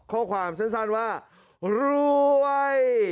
ข้อความสั้นว่ารวย